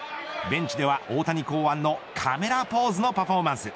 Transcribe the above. ベンチでは大谷考案のカメラポーズのパフォーマンス。